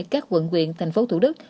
các quận quyền tp hcm